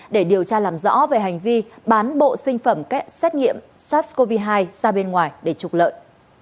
để điều tra làm rõ về hành vi bán bộ sinh phẩm xét nghiệm sars cov hai ra bên ngoài để trục lợi